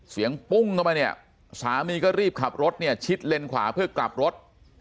ปุ้งเข้ามาเนี่ยสามีก็รีบขับรถเนี่ยชิดเลนขวาเพื่อกลับรถ